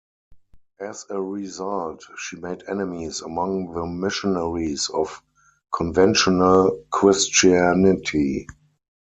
As a result, she made enemies among the missionaries of conventional Christianity.